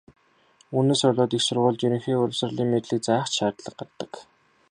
Үүнээс болоод их сургуульд ерөнхий боловсролын мэдлэг заах ч шаардлага гардаг.